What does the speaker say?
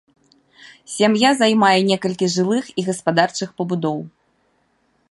Сям'я займае некалькі жылых і гаспадарчых пабудоў.